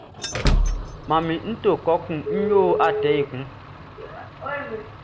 Manmi, nʼto kɔkun nʼyo atɛ ekun.